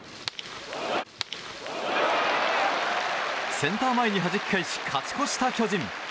センター前にはじき返し勝ち越した巨人。